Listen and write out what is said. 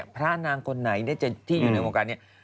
พระนางคนไหนที่อยู่ในวงการนี้